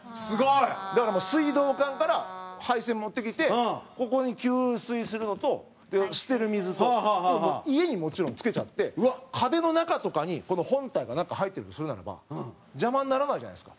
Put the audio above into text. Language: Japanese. だから、もう、水道管から配線持ってきてここに給水するのと捨てる水と家に、もちろん付けちゃって壁の中とかに、この本体が中、入ってるとするなれば邪魔にならないじゃないですか。